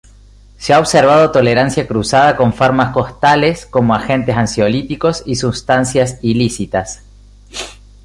Se ha observado tolerancia cruzada con fármacos tales como agentes ansiolíticos y sustancias ilícitas.